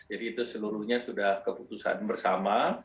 jadi itu seluruhnya sudah keputusan bersama